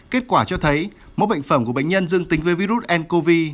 kết quả cho thấy mẫu bệnh phẩm của bệnh nhân dương tính với virus ncov